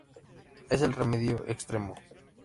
Es el remedio extremo.